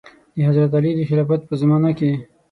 د حضرت علي د خلافت په زمانه کې.